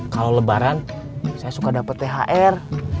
kalau lebaran saya suka dapat thr